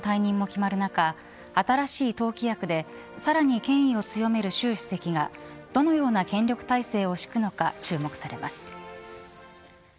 李克強首相の解任も決まる中、新しい党規約でさらに権威を強める習主席がどのような権力体制を敷くのか注目されます。